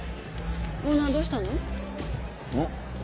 オーナーどうしたの？